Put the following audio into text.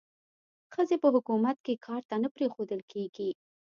ښځې په حکومت کې کار ته نه پریښودل کېږي.